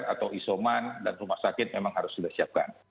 atau isoman dan rumah sakit memang harus sudah siapkan